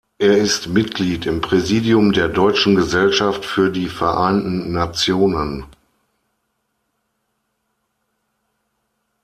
Er ist Mitglied im Präsidium der Deutschen Gesellschaft für die Vereinten Nationen.